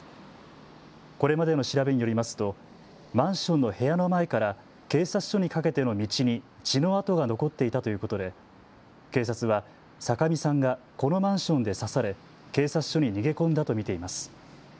これまでの調べによりますとマンションの部屋の前から警察署にかけての道に血の跡が残っていたということで警察は酒見さんがこのマンションで刺され警察署に逃げ込んだと見ています。